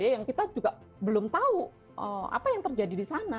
yang kita juga belum tahu apa yang terjadi di sana